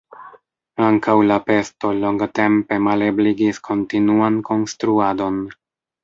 Ankaŭ la pesto longtempe malebligis kontinuan konstruadon.